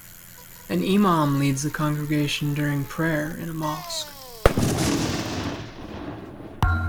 An Imam leads a congregation during prayer in a mosque.